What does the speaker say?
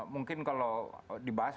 mungkin kalau dibahas